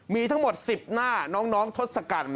มีทั้งหมด๑๐หน้าน้องทศกรรมนะครับ